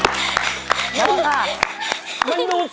ส่วนทางค่ะคุณนะครับ